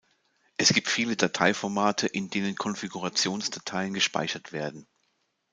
Es gibt viele Dateiformate, in denen Konfigurationsdateien gespeichert werden.